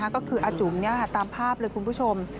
ก็คืออาจุ๋มตามภาพเลยคุณผู้ชม